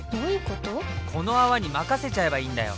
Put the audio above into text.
この泡に任せちゃえばいいんだよ！